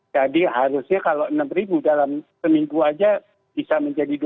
jadi harusnya kalau enam dalam seminggu saja bisa menjadi dua belas